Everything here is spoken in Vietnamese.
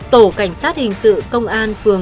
tiến hành xác minh tại chỗ trang trại của anh cường